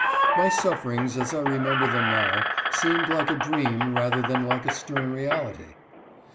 My suffer ings, as I remember them now, seem like a dream rather than like a stern reality.